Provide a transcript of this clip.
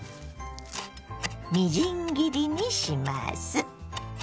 みじん切りにします。